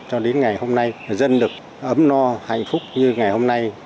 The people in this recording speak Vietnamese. cho đến ngày hôm nay dân được ấm no hạnh phúc như ngày hôm nay